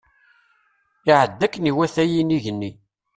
Iɛedda akken iwata yinig-nni.